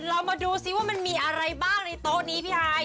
เรามาดูซิว่ามันมีอะไรบ้างในโต๊ะนี้พี่ฮาย